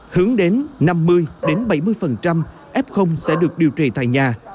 hướng đến năm mươi bảy mươi f sẽ được điều trị tại nhà